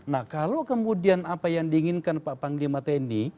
nah kalau kemudian apa yang diinginkan pak panglima tni